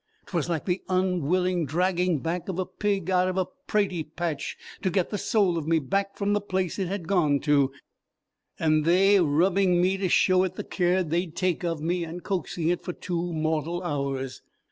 'T was like the unwilling dragging back of a pig out of a praitie patch to get the soul of me back from the place it had gone to, and they rubbing me to show it the care they'd take of me, and coaxing it for two mortal hours."